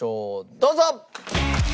どうぞ！